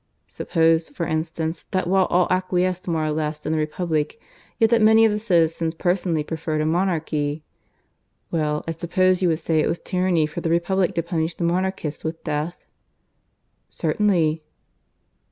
(Suppose, for instance, that while all acquiesced more or less in the republic, yet that many of the citizens personally preferred a monarchy.) Well, I suppose you would say it was tyranny for the republic to punish the monarchists with death?" "Certainly."